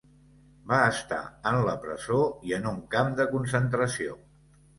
Va estar en la presó i en un camp de concentració.